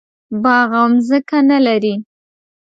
باغ او ځمکه نه لري.